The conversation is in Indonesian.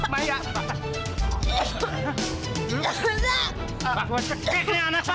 pak lepasin pak